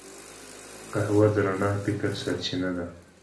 قهوه د رڼا فکر سرچینه ده